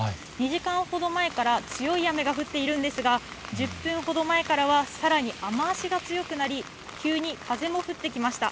２時間ほど前から強い雨が降っているんですが、１０分ほど前からはさらに雨足が強くなり、急に風も降ってきました。